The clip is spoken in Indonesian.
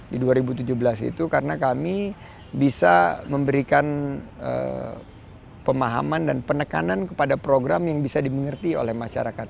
di dua ribu tujuh belas itu karena kami bisa memberikan pemahaman dan penekanan kepada program yang bisa dimengerti oleh masyarakat